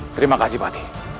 terima kasih bati